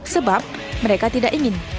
sebab mereka tidak ingin